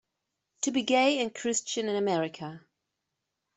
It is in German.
To Be Gay and Christian in America".